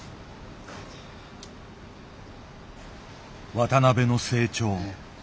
渡辺の成長。